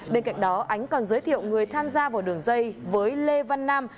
bên cạnh đó ánh còn giới thiệu người tham gia vào đường dây với lê văn nam